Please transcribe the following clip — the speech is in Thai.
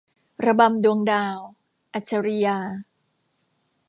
ระบำดวงดาว - อัจฉรียา